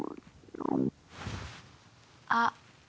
あっ！